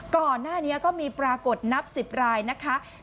ก่อนหน้านี้ก็มีปรากฏนับ๑๐รายนะคะ